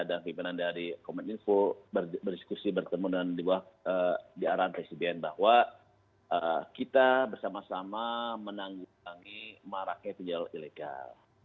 dan pimpinan dari komeninfo berdiskusi bertemu di arahan presiden bahwa kita bersama sama menanggung maraknya pinjol ilegal